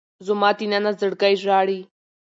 زما دننه زړګی ژاړي